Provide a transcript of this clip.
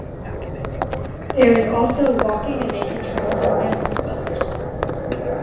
There is also a walking and nature trail for land-dwellers.